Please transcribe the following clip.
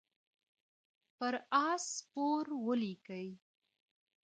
پر آس سپور ولیکئ.